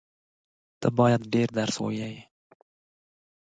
ته بايد ډېر درس ووایې.